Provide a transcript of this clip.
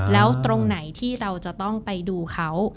แล้วตรงไหนที่เราจะต้องไปดูเขา